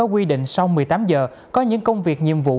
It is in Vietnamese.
quy định sau một mươi tám giờ có những công việc nhiệm vụ